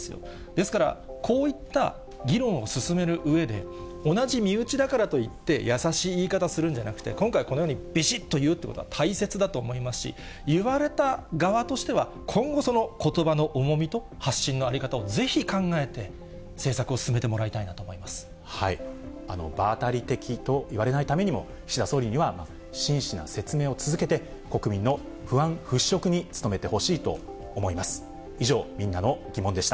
ですから、こういった議論を進めるうえで、同じ身内だからといって、優しい言い方するんじゃなくて、今回、このようにびしっと言うっていうことは大切だと思いますし、言われた側としては、今後、そのことばの重みと発信の在り方をぜひ考えて政策を進めてもらい場当たり的と言われないためにも、岸田総理には、真摯な説明を続けて、国民の不安払拭に努めてほしいと思います。